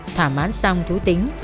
thỏa mãn xong thú tính